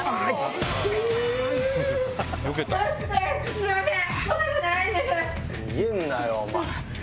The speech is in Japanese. すいません！